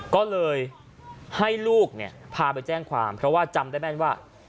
ก็เลยให้ลูกเนี่ยพาไปแจ้งความเพราะว่าจำได้แม่นว่า